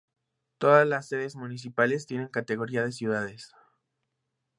Todas las sedes municipales tienen categoría de ciudades.